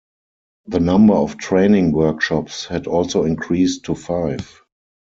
The number of training workshops had also increased to five.